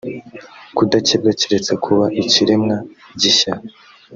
kudakebwa keretse kuba ikiremwa gishya